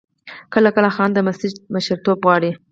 کله کله خان د مسجد مشرتوب غواړي.